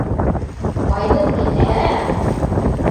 Айнып китһәм...